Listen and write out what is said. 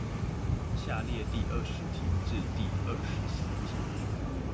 下列第二十題至第二十四題